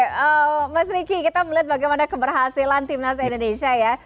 oke mas riki kita melihat bagaimana keberhasilan timnas indonesia ya